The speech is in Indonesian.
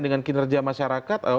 dengan kinerja masyarakat